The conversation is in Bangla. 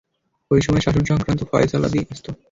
ঐ সময় শাসন সংক্রান্ত ফয়সালাদি আসতো।